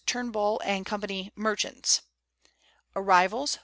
Turnbull and Co., merchants : Arrivals.